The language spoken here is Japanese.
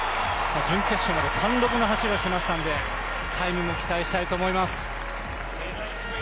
準決勝まで貫禄の走りをしていましたのでタイムも期待したいと思います。